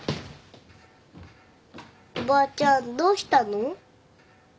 おばあちゃんどうしたの？